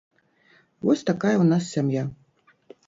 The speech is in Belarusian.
Вось такая ў нас сям'я.